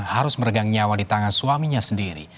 harus meregang nyawa di tangan suaminya sendiri